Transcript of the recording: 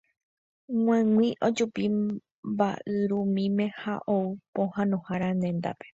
g̃uaig̃ui ojupi mba'yrumýime ha ou pohãnohára rendápe